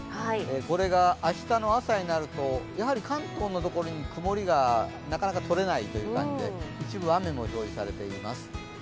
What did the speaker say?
これが明日の朝になるとやはり関東の所に曇りがなかなかとれないという感じで一部雨も表示されています。